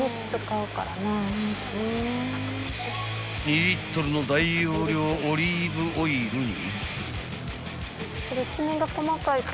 ［２リットルの大容量オリーブオイルに］